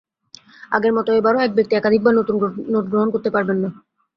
আগের মতো এবারও এক ব্যক্তি একাধিকবার নতুন নোট গ্রহণ করতে পারবেন না।